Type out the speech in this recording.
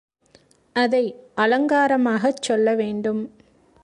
அதை அலங்காரமாகச் சொல்ல வேண்டும்.